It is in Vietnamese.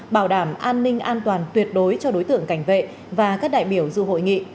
bảo đảm an ninh an toàn tuyệt đối cho đối tượng cảnh vệ và các đại biểu dự hội nghị